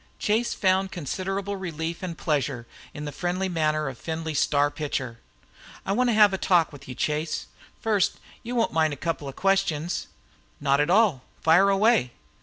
Chase found considerable relief and pleasure in the friendly manner of Findlay's star pitcher. "I want to have a talk with you, Chase. First, you won't mind a couple of questions." "Not at all. Fire away."